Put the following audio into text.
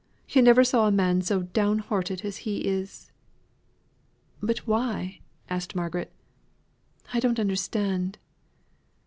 Yo' never saw a man so downhearted as he is." "But why?" asked Margaret. "I don't understand."